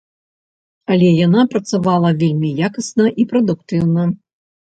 Але яна працавала вельмі якасна і прадуктыўна.